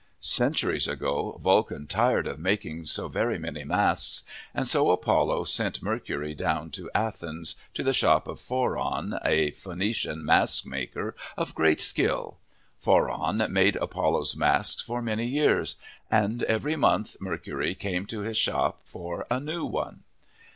Centuries ago, Vulcan tired of making so very many masks. And so Apollo sent Mercury down to Athens, to the shop of Phoron, a Phoenician mask maker of great skill. Phoron made Apollo's masks for many years, and every month Mercury came to his shop for a new one.